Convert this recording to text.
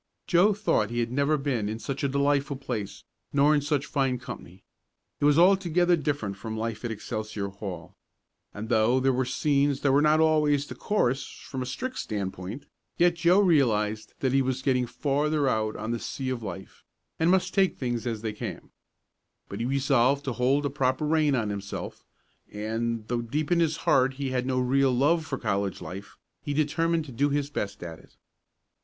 Joe thought he had never been in such a delightful place, nor in such fine company. It was altogether different from life at Excelsior Hall, and though there were scenes that were not always decorous from a strict standpoint, yet Joe realized that he was getting farther out on the sea of life, and must take things as they came. But he resolved to hold a proper rein on himself, and, though deep in his heart he had no real love for college life, he determined to do his best at it.